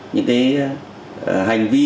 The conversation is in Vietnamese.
những hành vi